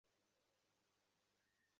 শোন, মিসেস বাতরা!